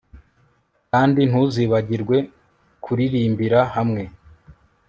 kandi ntuzibagirwe kuririmbira hamwe